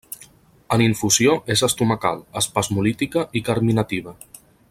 En infusió és estomacal, espasmolítica i carminativa.